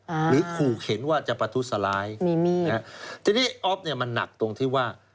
หรือขู่เข็นว่าจะประทุษร้ายมีมีดนะฮะทีนี้อ๊อฟเนี้ยมันหนักตรงที่ว่า